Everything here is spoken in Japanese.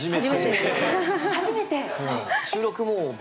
初めて？